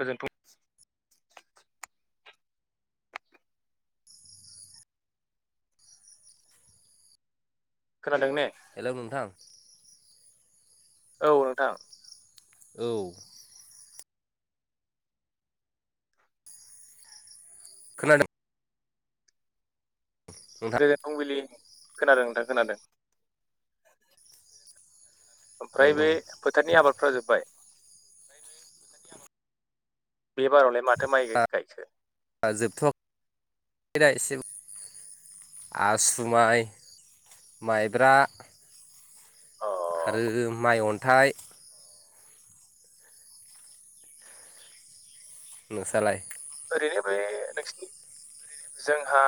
गोजोन्थों खोनादों ने? हेलौ नोंथां औ नोंथां औ खोनादों नोंथां गोजोन फुंबिलि खोनादों नोंथा खोनादों। ओमफ्राय औ बे औ फोथारनि आबादफ्रा जोब्बाय बे बारावलाय माथो माइ गायखो? जोबथ'ब [unintelligible] आसु माइ माइब्रा अ आरो माइ अन्थाइ नोंसालाय? ओरैनो बे नोंसिनि जोंहा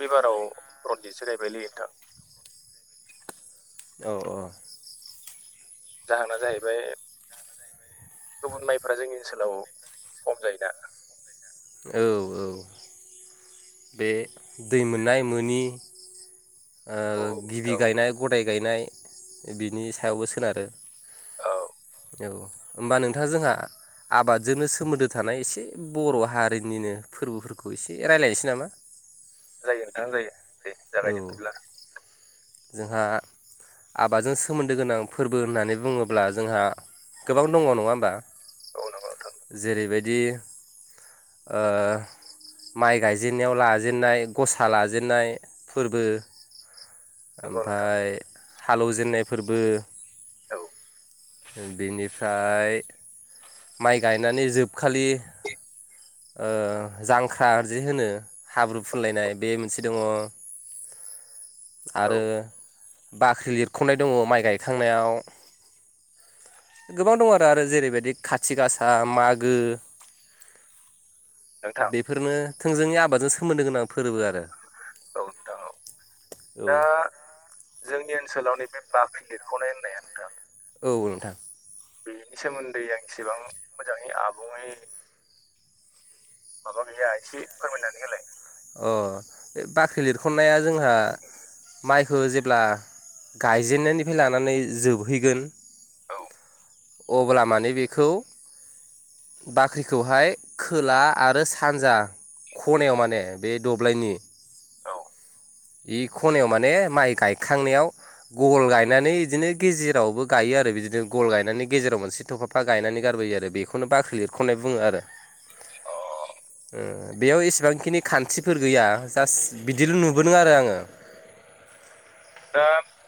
बेबाराव रनजितसो गायबायलै नोंथां। औ अ जाहोना जाहैबाय गुबुन माइफ्रा जोंनि ओनसोलाव खम जायोना औ औ बे दै मोननाय मोनि औ ओ औ गिबि नोंथां गायनाय गदाय गायनाय बिनि सायावबो सोनारो औ औ होमबा नोंथाङा जोंहा आबादजोंनो सोमोन्दो थानाय एसे बर' हारिनिनो फोरबोफोरखौ एसे रायलायनोसै नामा? जायो नोंथां जायो दे औ जागायदो बिदिब्ला जोंहा आबादजों सोमोन्दो गोनां फोरबो होननानै बुङोब्ला जोंहा गोबां दङ नङा होमबा औ नंगौ नोंथां जेरैबायदि ओ माइ गायजेननायाव लाजेननाय गसा लाजेननाय फोरबो नंगौ नोंथां ओमफाय हालौजेननाय फोरबो औ बिनिफ्राय माइ गायनानै जोबखालि ओ जांख्राजि होनो हाब्रु फुनलायनाय बे मोनसे दङ। [inaudible] आरो बाख्रि लिरख'नाय दङ माइ गायखांनायाव गोबां दं आरो आरो जेरैबायदि खाथि गासा मागो नोंथां बेफोरनो थोंजोनि आबादजों सोमोन्दो गोनां फोरोबो आरो औ थौव औ ओ जोंनि ओनसोलाव नैबे बाख्रि लिरख'नाय होननाया थां औ ओथां बेनि सोमोन्दै आं इसेबां मोजाङै आबुङै माबा गैया एसे फोरमायनानै होलाय अ बे बाख्रि लिरखनाया जोंहा माइखौ जेब्ला गायजेननायनिफाय लानानै जोबहैगोन औ अब्ला माने बेखौ बाख्रिखौहाय खोला आरो सानजा खनायाव माने बे दब्लायनि औ बे खनायाव माने माइ गायखांनायाव गल गायनानै इदिनो गेजेरावबो गायो आरो बिदिनो गल गायनानै गेजेराव मोनसे थफाब फा गायनानै गारबो आरो बेखौनो बाख्रि लिरख'नाय बुङो आरो अ ओ बेयाव एसेबांखिनि खान्थिफोर गैया जास्ट बिदिल' नुबोदों आरो आङो दा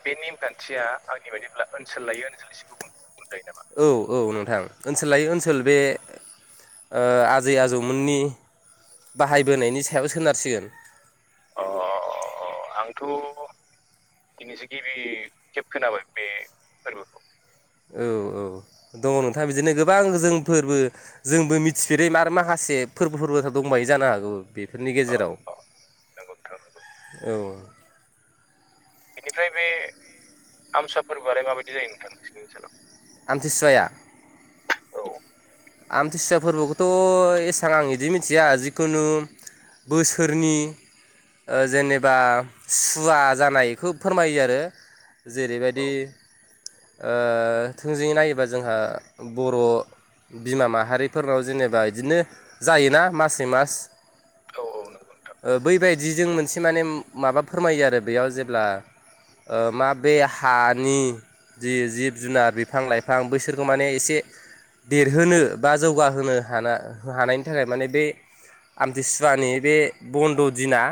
बे नेमखान्थिया आंनि बादिब्ला ओनसोल लायै ओनसोल एसो गुबुन बुंजायो नामा? औ औ नोंथां ओनसोल लायै ओनसोल बे ओ आजै आजौमोननि बाहायबोनायनि सायाव सोनारसिगोन अ आंथ' दिनैसो गिबि खेब खोनाबाय बे फोरबोखौ औ औ दङ नोंथां बिदिनो गोबां जोंफोरबो जोंबो मिथिफेरै आरो माखासे फोरबो फोरबो दंबावो जानो हागौ। बेफोरनि अ गेजेराव अ नंगौ नोंथां नंगौ औ बेनिफ्राय बे आमसा फोरबोआलाय माबायदि जायो नोंथां नोंसि नोंसानाव आमथिसुवाया औ आमथिसुवा फोरबोखौथ' एसेबां आं बिदि मिथिया जिखुनु बोसोरनि ओ जेनेबा सुवा जानायखौ फोरमायो आरो औ जेरैबायदि ओ थोंजोङै नायोबा जोंहा बर' बिमा माहारिफोरनाव जेनेबा बिदिनो जायोना मासै मास औ औ नंगौ नोंथां ओ बैबायदिजों मोनसे माने माबा फोरमायो आरो बेयाव जेब्ला ओ मा बे हानि जि-जिब जुनार बिफां-लाइफां बैसोरखौ माने एसे देरहोनो बा जौगाहोनो हाना हानायनि थाखाय माने बे आमतसुवानि बे बन्द' दिना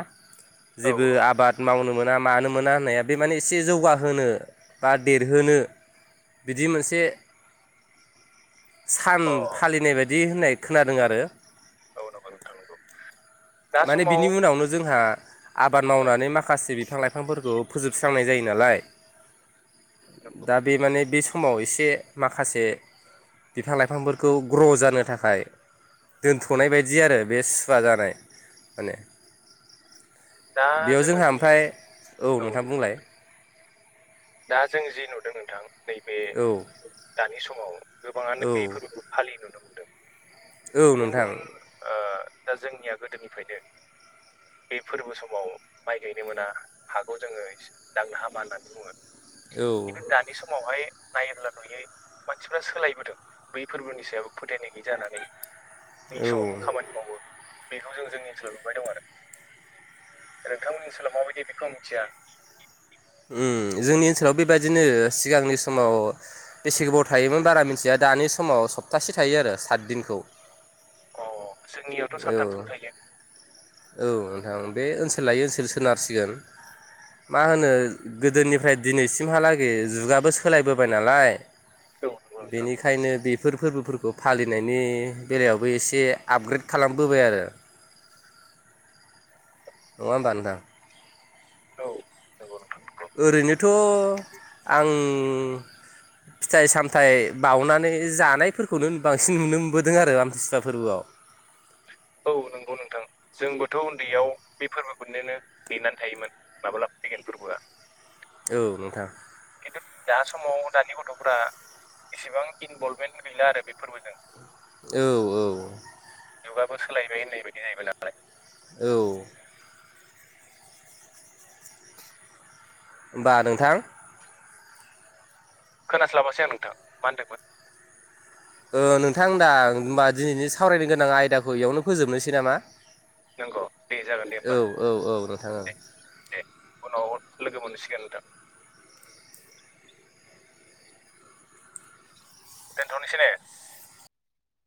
औ जेबो आबाद मावनो मोना मानो मोना होननाया बे माने एसे जौगाहोनो बा दे होनो बिदि मोनसे सान औ अ फालिनाय बायदि होननाय खोनादों आरो औ नंगौ नोंथां नंगौ। दा माने समाव बिनि उनावनो जोंहा आबाद औ मावनानै माखासे बिफां लाइफांफोरखौ फोजोबस्रांनाय जायो नालाय औ। दा बे माने बे समाव एसे माखासे बिफां लाइफांफोरखौ ग्र' जानो थाखाय दोनथ'नाय बायदि आरो बे सुवा जानाय। माने दा बेयाव जोङो जोंहा नुयो ओमफ्राय औ नोंथाङां बुंलाय। दा जों जि नुदों नोंथां नैबे औ दानि समाव गोबाङानो औ बेफोरबो फालि नुनो मोनदों औ गुबुन नोंथां गुबुन ओ दा जोंनिया गोदोनिफ्रायनो बे फोरबो समाव माइ गायनो मोना हाखौ जोंङो दांनो हामा होननानै बुङो। औ खिन्थु दानि समावहाय नायोब्ला नुयै मानसिफ्रा सोलायबोदों बै फोरबोनि सायाव फोथायनाय गैयै जानानै। बै समावबो औ खामानि मावो बेखौ जों जोंनि ओनसोलाव नुबाय दं आरो। नोंथांमोननि ओनसोलाव माबायदि बेखौ आं मिथिया। उम जोंनि ओनसोलाव बेबायदिनो सिगांनि समाव बेसे गोबाव थायोमोन बारा मिथिया दानि समाव सप्तासे थायो आरो सातदिनखौ। अ जोंनियावथ' औ सानथामसोल थायो। औ नोंथां बे ओनसोल लायै ओनसोल सोनारसिगोन। मा होनो गोदोनिफ्राय दिनैसिमहालागै जुगाबो सोलायबोबाय नालाय। औ नंगौ नोंथां बेनि खायनो बेफोर फोरबोफोरखौ फालिनायनि बेलायावबो एसे आपग्रेड खालामबोबाय आरो। नङा होनबा नोंथां? औ नंगौ नोंथां नंगौ ओरैनोथ' आं फिथाइ सामथाइ बावउनानै जानायफोरखौनो बांसिन नुनो मोनबोदों आरो आमथिसुवा फोरबोआव। औ नंगौ नोंथां जोंबोथ' उन्दैयाव बे फोरबोखौनोनो नेनानै थायोमोन माब्ला फैगोन फोरबोआ। औ नोंथां। खिन्थु दा समाव दानि गथ'फ्रा इसेबां इनभल्भमेन्ट गैला आरो बे फोरबोजों। औ औ। जुगाबो सोलायबाय होननाय बायदि जाहैबाय नालाय। औ। होमबा नोंथां खोनास्लाबासै आं नोंथां मा होनदोंमोन? ओ नोंथां दा होमबा दिनैनि सावरायनो गोनां आयदाखौ बेयावनो फोजोबनोसै नामा? नंगौ दे जागोन दे होमबा औ औ औ नोंथां ओं दे दे। उनाव लोगो मोनसिगोन नोंथां। दोनथ'नोसै ने?